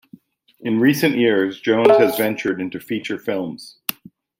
In recent years, Jones has ventured into feature films.